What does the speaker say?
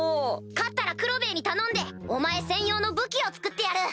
勝ったらクロベエに頼んでお前専用の武器を作ってやる。